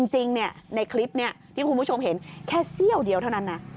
จริงในคลิปนี้ที่คุณผู้ชมเห็นแค่เสี้ยวเดียวเท่านั้นนะ